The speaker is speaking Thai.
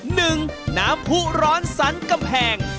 หนึ่งน้ำผู้ร้อนสันกำแผง